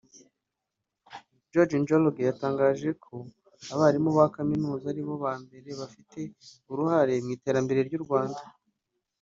George Njoroge yatangaje ko abarimu ba Kaminuza ari bo ba mbere bafite uruhare mu iterambere ry’ u Rwanda